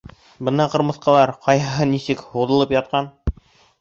Бына ҡырмыҫҡалар, ҡайһыһы нисек, һуҙылып ятҡан.